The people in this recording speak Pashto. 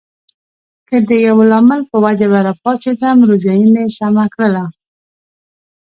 که د یوه لامل په وجه به راپاڅېدم، روژایې مې سمه کړله.